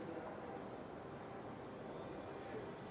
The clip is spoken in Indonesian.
bagaimana menurut anda